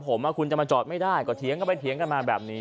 ผมผมจะมาจอดไม่ได้ก็เถี้ยงกันมาแบบนี้